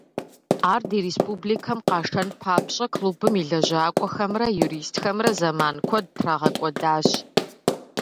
Ар ди республикэм къашэн папщӀэ, клубым и лэжьакӀуэхэмрэ юристхэмрэ зэман куэд трагъэкӀуэдащ.